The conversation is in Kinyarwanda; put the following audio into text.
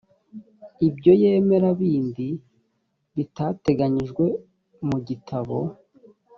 ibyo yemera bindi bitateganyijwe mu gitabo